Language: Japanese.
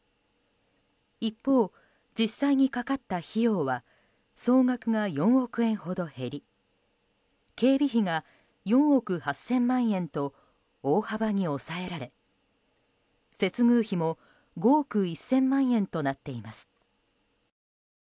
一方、実際にかかった費用は総額が４億円ほど減り警備費が４億８０００万円と大幅に抑えられ接遇費も５億１０００万円となっています。